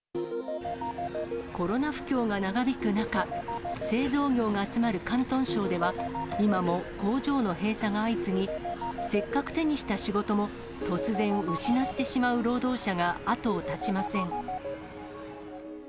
コロナ不況が長引く中、製造業が集まる広東省では、今も工場の閉鎖が相次ぎ、せっかく手にした仕事も、突然、失ってしまう労働者が後を絶ちません。